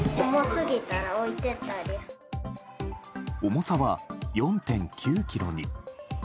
重さは４．９ｋｇに。